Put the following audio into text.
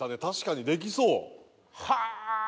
確かにできそう。は！